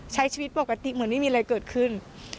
ใช้ชีวิตปกติเหมือนไม่มีอะไรเกิดขึ้น